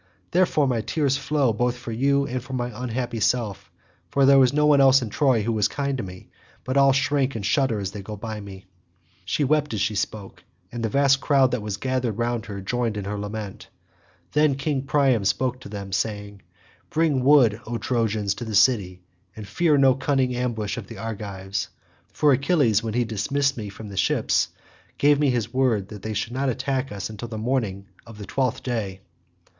Therefore my tears flow both for you and for my unhappy self, for there is no one else in Troy who is kind to me, but all shrink and shudder as they go by me." She wept as she spoke and the vast crowd that was gathered round her joined in her lament. Then King Priam spoke to them saying, "Bring wood, O Trojans, to the city, and fear no cunning ambush of the Argives, for Achilles when he dismissed me from the ships gave me his word that they should not attack us until the morning of the twelfth day."